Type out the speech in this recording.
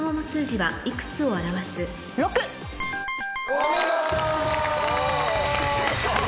お見事！